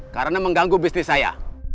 karena mengganggu bisnis saya